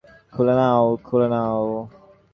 খুলে নাও, খুলে নাও।